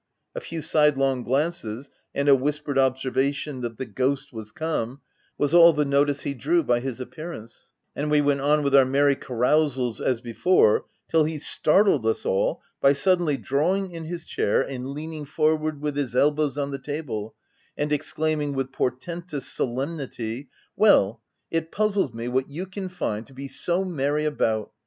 A few sidelong glances, and a whispered observation that * the ghost was come,' was all the notice he drew by his appearance, and we went on with our merry carousals as before, till he startled us all by suddenly drawing in his chair and leaning forward with his elbows on the table, and ex claiming with portentous solemnity, —Well ! it puzzles me what you can find to be so merry about.